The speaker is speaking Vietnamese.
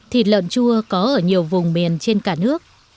thịt lợn chua có ở nhiều vùng miền trên cả nước